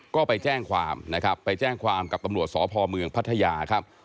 ก็ไปแจ้งความนะครับไปแจ้งความกับตำรวจสพเมืองพัทยาครับ